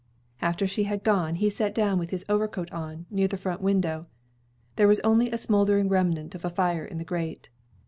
After she had gone, he sat down with his overcoat on, near the front window. There was only a smoldering remnant of a fire in the grate.